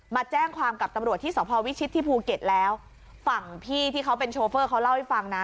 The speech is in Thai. มาแจ้งความกับตำรวจที่สพวิชิตที่ภูเก็ตแล้วฝั่งพี่ที่เขาเป็นโชเฟอร์เขาเล่าให้ฟังนะ